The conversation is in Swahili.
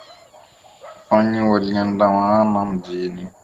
Wafanyikazi waliandamana mjini